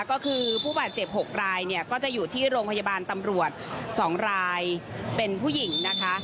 ก็คือผู้บาดเจ็บ๖รายเนี่ยก็จะอยู่ที่โรงพยาบาลตำรวจ๒รายเป็นผู้หญิงนะคะ